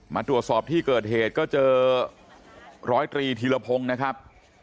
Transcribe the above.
มาตรวจสอบที่เกิดเหตุก็เจอร้อยตรีธีรพงศ์นะครับ